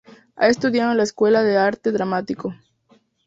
Ha estudiado en la Escuela de Arte Dramático.